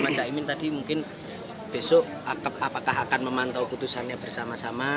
mas caimin tadi mungkin besok apakah akan memantau putusannya bersama sama